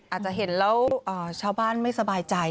อาจจะเห็นแล้วชาวบ้านไม่สบายใจ